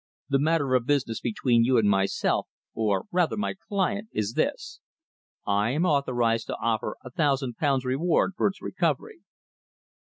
The matter of business between you and myself, or rather my client, is this. I am authorized to offer a thousand pounds reward for its recovery."